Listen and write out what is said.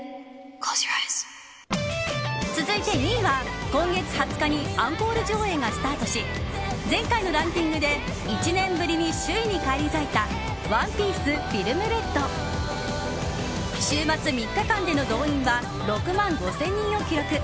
続いて２位は、今月２０日にアンコール上映がスタートし前回のランキングで１年ぶりに首位に返り咲いた「ＯＮＥＰＩＥＣＥＦＩＬＭＲＥＤ」。週末３日間での動員は６万５０００人を記録。